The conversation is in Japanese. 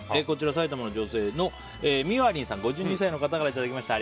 埼玉の女性の５２歳の方からいただきました。